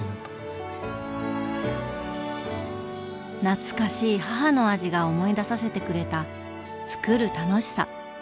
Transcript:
懐かしい母の味が思い出させてくれた「つくる楽しさ」。